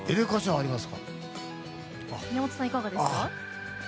宮本さんはいかがですか？